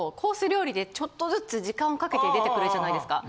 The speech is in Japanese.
料理でちょっとずつ時間をかけて出てくるじゃないですか。